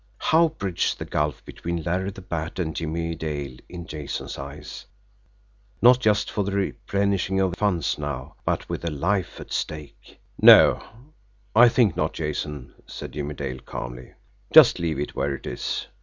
How bridge the gulf between Larry the Bat and Jimmie Dale in Jason's eyes not just for the replenishing of funds now, but with a life at stake! "No I think not, Jason," said Jimmie Dale calmly. "Just leave it where it is.